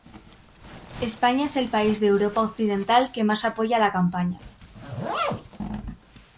España es el país de Europa Occidental que más apoya la campaña.